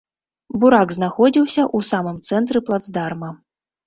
Бурак знаходзіўся ў самым цэнтры плацдарма.